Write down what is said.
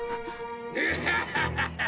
グハハハハ！